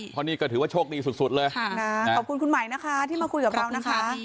เพราะนี่ก็ถือว่าโชคดีสุดเลยขอบคุณคุณใหม่นะคะที่มาคุยกับเรานะคะ